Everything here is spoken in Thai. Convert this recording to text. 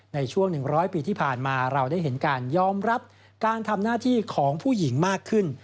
ในช่วง๑๐๐ปีที่ผ่านมาเราได้เห็นการยอมรับการทำหน้าที่ของผู้หญิงมากขึ้น